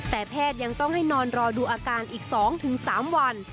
แต่แพทย์ยังต้องให้นอนรอดูอาการอีก๒๓วัน